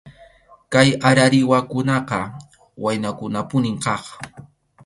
Kay arariwakunaqa waynakunapunim kaq.